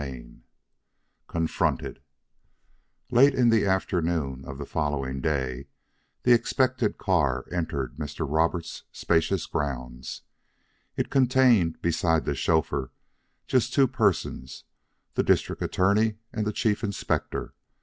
XXXI CONFRONTED Late in the afternoon of the following day, the expected car entered Mr. Roberts' spacious grounds. It contained, besides the chauffeur, just two persons, the District Attorney and the Chief Inspector.